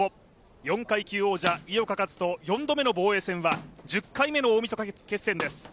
４階級王者、井岡一翔４度目の防衛戦は、１０回目の大みそか決戦です。